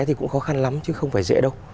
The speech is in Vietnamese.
thì cũng khó khăn lắm chứ không phải dễ đâu